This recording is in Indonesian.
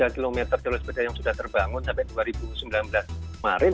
tiga km jalur sepeda yang sudah terbangun sampai dua ribu sembilan belas kemarin